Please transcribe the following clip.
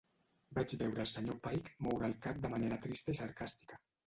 Vaig veure el sr. Pike moure el cap de manera trista i sarcàstica.